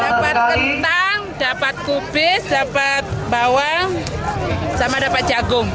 dapat kentang dapat kubis dapat bawang sama dapat jagung